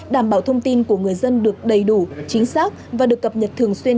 đảm bảo thông tin của người dân được đầy đủ chính xác và được cập nhật thường xuyên